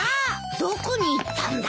どこに行ったんだ？